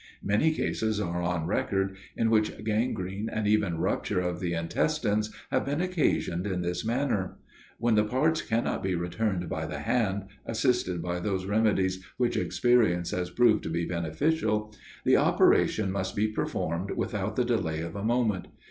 Many cases are on record, in which gangrene and even rupture of the intestine, have been occasioned in this manner. When the parts cannot be returned by the hand, assisted by those remedies which experience has proved to be beneficial, the operation must be performed without the delay of a moment.